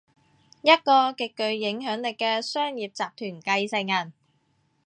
一個極具影響力嘅商業集團繼承人